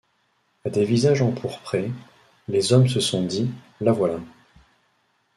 À des visages empourprés, les hommes se sont dit: —« La voilà!